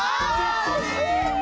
惜しい！